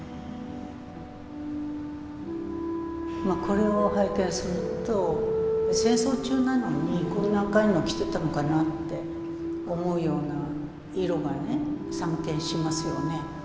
これを拝見すると戦争中なのにこんな赤いのを着ていたのかなって思うような色が散見しますよね。